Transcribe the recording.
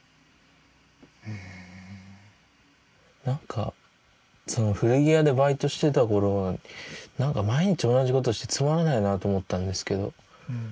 何かその古着屋でバイトしてた頃は何か毎日同じことしてつまらないなと思ったんですけど。